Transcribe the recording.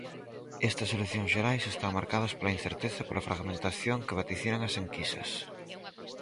Estas eleccións xerais están marcadas pola incerteza e pola fragmentación que vaticinan as enquisas.